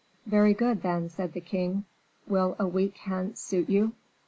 "Very good, then," said the king. "Will a week hence suit you?"